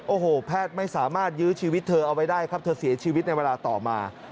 โอ้โหแพทย์ไม่สามารถยื้อชีวิตเธอเอาไว้ได้ครับเธอเสียชีวิตในเวลาต่อมา